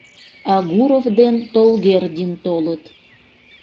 Агуров ден Толгердин толыт.